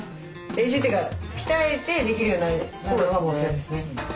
練習というか鍛えてできるようになるのが目標ですね。